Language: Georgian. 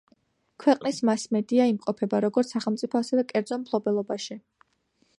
ქვეყნის მასმედია იმყოფება, როგორც სახელმწიფო, ასევე კერძო მფლობელობაში.